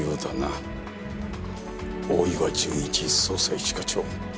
大岩純一捜査一課長。